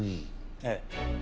ええ。